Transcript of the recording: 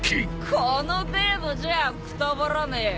この程度じゃくたばらねえよ。